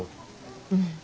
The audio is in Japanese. うん。